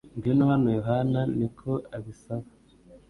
Ngwino hano, Yohana niko abisaba